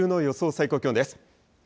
最高気温です。